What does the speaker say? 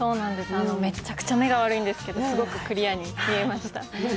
めちゃくちゃ目が悪いんですけどすごくクリアに見えました。